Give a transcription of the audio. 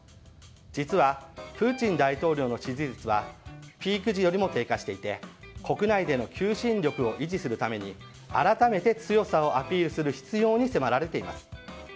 実はプーチン大統領の支持率はピーク時よりも低下していて国内での求心力を維持するために改めて強さをアピールする必要に迫られています。